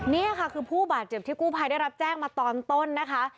นี่ค่ะคือผู้บาดเจ็บที่กู้ภัยได้รับแจ้งมาตอนต้นนะคะ